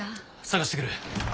捜してくる。